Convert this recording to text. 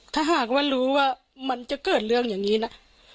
ถ้าหากว่ารู้ว่ามันจะเกิดเรื่องอย่างนี้นะ